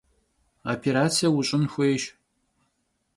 Vopêratse vuş'ın xuêyş.